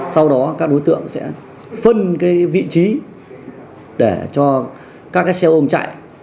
sau đó các đối tượng sẽ phân vị trí để cho các xe ôm chạy